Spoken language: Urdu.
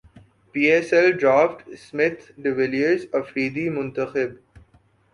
پی S L draft Smith de Villiers Afridi منتخب